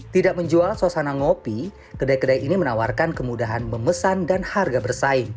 tidak menjual suasana ngopi kedai kedai ini menawarkan kemudahan memesan dan harga bersaing